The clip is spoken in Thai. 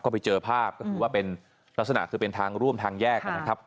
ก็ไปเจอภาพก็คือว่าเป็นลักษณะคือเป็นทางร่วมทางแยกนะครับ